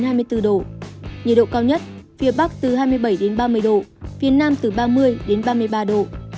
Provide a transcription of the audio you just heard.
nhiệt độ cao nhất phía bắc từ hai mươi bảy đến ba mươi độ phía nam từ ba mươi đến ba mươi ba độ